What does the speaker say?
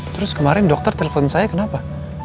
terus kemarin dokter telepon saya kenapa